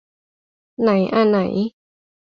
ไหนอะไหน